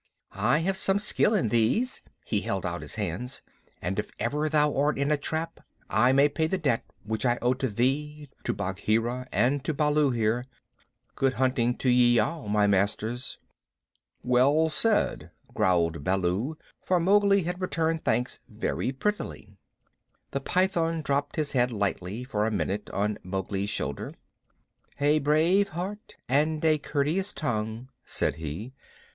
I have some skill in these [he held out his hands], and if ever thou art in a trap, I may pay the debt which I owe to thee, to Bagheera, and to Baloo, here. Good hunting to ye all, my masters." "Well said," growled Baloo, for Mowgli had returned thanks very prettily. The Python dropped his head lightly for a minute on Mowgli's shoulder. "A brave heart and a courteous tongue," said he.